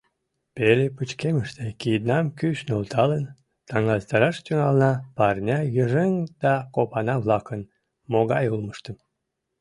Пеле пычкемыште киднам кӱш нӧлталын, таҥастараш тӱҥална парня йыжыҥ да копана-влакын могай улмыштым.